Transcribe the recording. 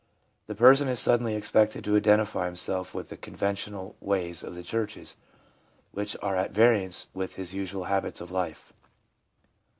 The person is suddenly expected to identify himself with the conven tional ways of the churches, which are at variance with his usual habits of life.